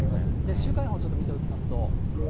週間予報、ちょっと見ておきますと。